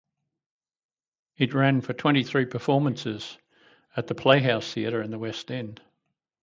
It ran for twenty three performances at the Playhouse Theatre in the West End.